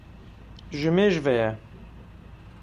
Ji mêj ve ye.